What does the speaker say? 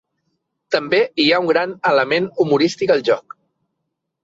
També hi ha un gran element humorístic al joc.